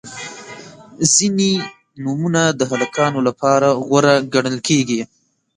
• ځینې نومونه د هلکانو لپاره غوره ګڼل کیږي.